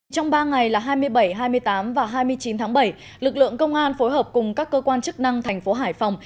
trong ba ngày là hai mươi bảy hai mươi tám và hai mươi chín tháng bảy lực lượng công an phối hợp cùng các cơ quan chức năng thành phố hải phòng